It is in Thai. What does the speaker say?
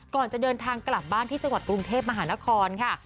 ก่อนจะเดินทางกลับบ้านที่จังหวัดกรุงเทพมหานครค่ะ